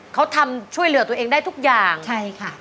เขาทำช่วยเหลือตัวเองได้ทุกอย่างใช่ค่ะ